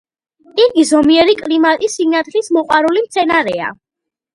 იგი ზომიერი კლიმატის, სინათლის მოყვარული მცენარეა.